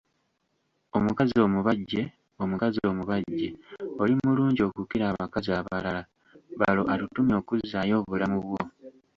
Omukazi omubajje, omukazi omubajje, olimulungi okukira abakazi abalala, balo atutumye okuzzaayo obulamu bwo.